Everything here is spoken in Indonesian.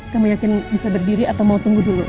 kamu yakin bisa berdiri atau mau tunggu dulu